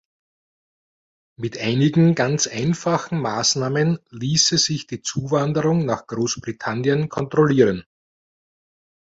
Mit einigen ganz einfachen Maßnahmen ließe sich die Zuwanderung nach Großbritannien kontrollieren.